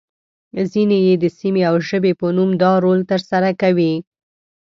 ځینې يې د سیمې او ژبې په نوم دا رول ترسره کوي.